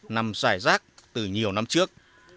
nằm dài rác từ nhiều năm trước